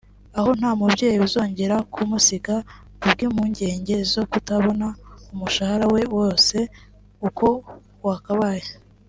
aho nta mubyeyi uzongera kumusiga kubw’impungenge zo ktabona umushahara we wose uko wakabaye